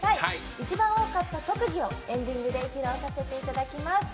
一番多かった特技をエンディングで披露させていただきます。